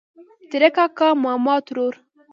ترۀ کاکا ماما ترور